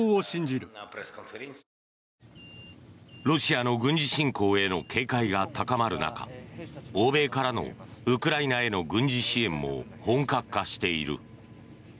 ロシアの軍事侵攻への警戒が高まる中欧米からのウクライナへの軍事支援も本格化している。